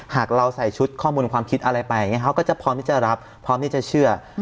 หากเราใส่ชุดข้อมูลความคิดอะไรไปอย่างนี้เขาก็จะพร้อมที่จะรับพร้อมที่จะเชื่อ